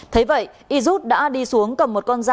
thế vậy yrút đã đi xuống cầm một con giáp